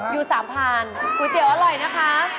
อยู่๓พานก๋วยเตี๋ยวอร่อยนะคะ